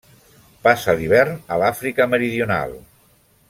Passa l'hivern a l'Àfrica Meridional.